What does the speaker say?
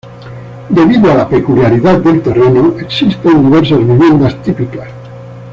Debido a la peculiaridad del terreno, existen diversas viviendas típicas.